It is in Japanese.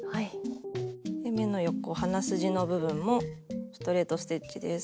目の横鼻筋の部分もストレート・ステッチです。